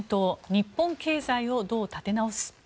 日本経済をどう立て直す？